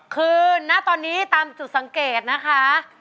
คือณตอนนี้ตามจุดสังเกตนะคะ